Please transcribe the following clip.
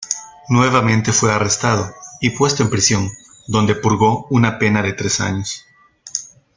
Nuevamente fue arrestado y puesto en prisión, donde purgó una pena de tres años.